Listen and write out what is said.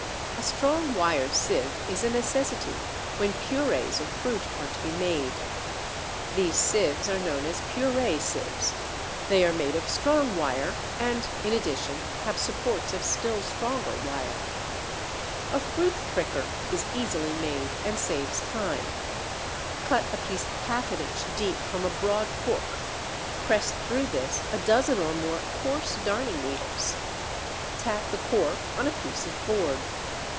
] A strong wire sieve is a necessity when purées of fruit are to be made (fig. 2). These sieves are known as purée sieves. They are made of strong wire and in addition have supports of still stronger wire. [Illustration: FIG. 3. Fruit pricker.] A fruit pricker is easily made and saves time (fig. 3). Cut a piece half an inch deep from a broad cork; press through this a dozen or more coarse darning needles; tack the cork on a piece of board.